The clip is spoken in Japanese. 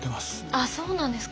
あっそうなんですか。